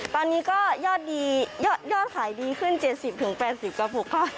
ตอนนี้ก็ยอดขายดีขึ้น๗๐๘๐กระปุก